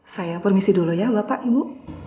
saya permisi dulu ya bapak ibu